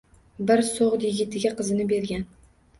Bir soʻgʻd yigitiga qizini bergan